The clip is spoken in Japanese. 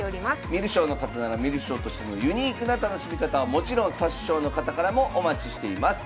観る将の方なら観る将としてのユニークな楽しみ方はもちろん指す将の方からもお待ちしています。